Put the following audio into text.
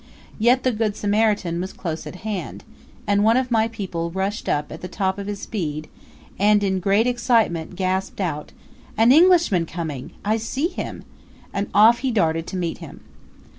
Yet the good Samaritan was close at hand, and one of my people rushed up at the top of his speed, and, in great excitement, gasped out, "An Englishman coming! I see him!" and off he darted to meet him.